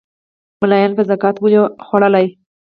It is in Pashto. مُلایانو به زکات ولي خوړلای